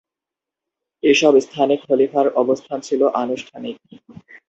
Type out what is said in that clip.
এসব স্থানে খলিফার অবস্থান ছিল আনুষ্ঠানিক।